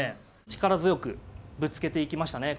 力強くぶつけていきましたね。